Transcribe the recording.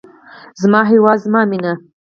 زما هیواد زما مینه.